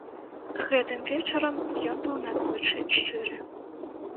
Гэтым вечарам ён быў надзвычай шчыры.